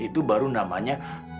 itu baru namanya